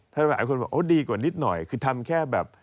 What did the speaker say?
ถ้าหากคนบอกดีกว่านิดหน่อยคือทำแค่แบบ